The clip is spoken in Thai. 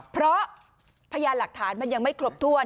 เพราะพยานหลักฐานมันยังไม่ครบถ้วน